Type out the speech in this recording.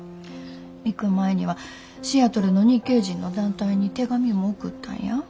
行く前にはシアトルの日系人の団体に手紙も送ったんや。